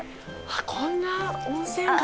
こんな温泉街。